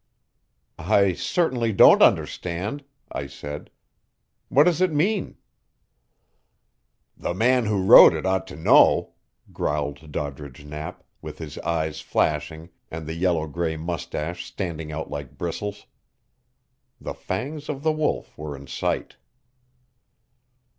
"I certainly don't understand," I said. "What does it mean?" "The man who wrote it ought to know," growled Doddridge Knapp, with his eyes flashing and the yellow gray mustache standing out like bristles. The fangs of the Wolf were in sight.